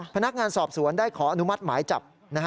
พนักงานสอบสวนได้ขออนุมัติหมายจับ